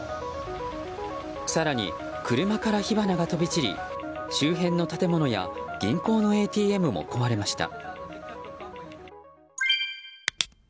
更に、車から火花が飛び散り周辺の建物や銀行のＡＴＭも壊れました。